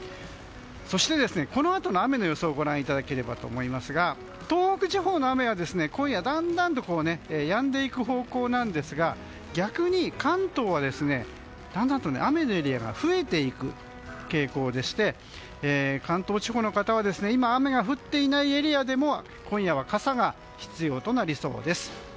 そして、このあとの雨の予想をご覧いただければと思いますが東北地方の雨は今夜、だんだんとやんでいく方向なんですが逆に関東はだんだんと雨のエリアが増えていく傾向で関東地方の方は今、雨が降っていないエリアでも今夜は傘が必要となりそうです。